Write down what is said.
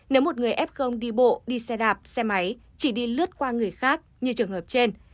nếu một người f đi bộ đi xe đạp xe máy chỉ đi lướt qua người khác như trường hợp trên